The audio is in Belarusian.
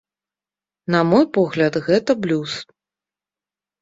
На мой погляд, гэта блюз.